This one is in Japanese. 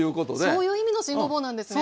そういう意味の新ごぼうなんですね。